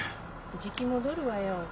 じき戻るわよ。